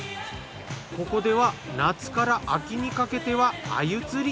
ここでは夏から秋にかけては鮎釣り。